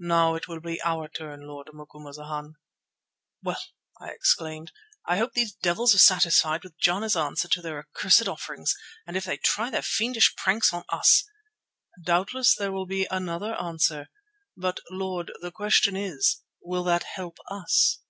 Now it will be our turn, Lord Macumazana." "Well," I exclaimed, "I hope these devils are satisfied with Jana's answer to their accursed offerings, and if they try their fiendish pranks on us——" "Doubtless there will be another answer. But, Lord, the question is, will that help us?"